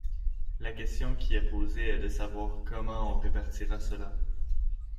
La question qui est posée est de savoir comment on répartira cela.